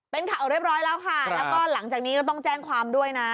เป็นข่าวเรียบร้อยแล้วค่ะแล้วก็หลังจากนี้ก็ต้องแจ้งความด้วยนะ